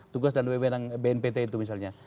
tugas dan bnpt itu misalnya